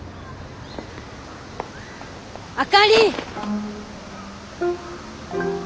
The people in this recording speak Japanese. あかり！